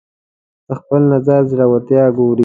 د خپل نظر زورورتیا ګوري